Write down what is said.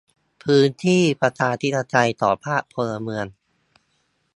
พื้นที่ประชาธิปไตยของภาคพลเมือง